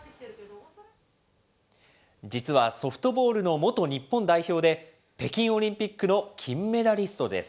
実はソフトボールの元日本代表で、北京オリンピックの金メダリストです。